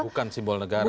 bukan simbol negara